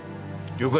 了解。